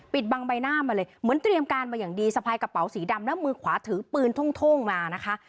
บังใบหน้ามาเลยเหมือนเตรียมการมาอย่างดีสะพายกระเป๋าสีดำแล้วมือขวาถือปืนโท่งมานะคะ